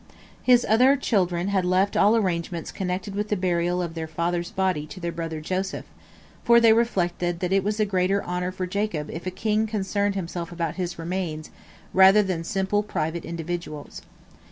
His other children had left all arrangements connected with the burial of their father's body to their brother Joseph, for they reflected that it was a greater honor for Jacob if a king concerned himself about his remains rather than simple private individuals.